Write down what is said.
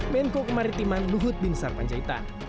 menko kemaritiman luhut bin sarpanjaitan